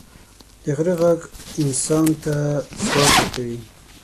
د غره ږغ انسان ته ځواک ورکوي.